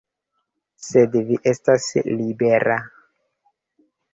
Sed vi estas libera.